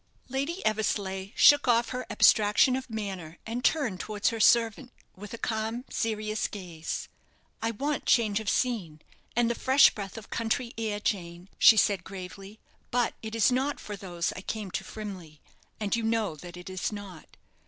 Lady Eversleigh shook off her abstraction of manner, and turned towards her servant, with a calm, serious gaze. "I want change of scene, and the fresh breath of country air, Jane," she said, gravely; "but it is not for those I came to Frimley, and you know that it is not.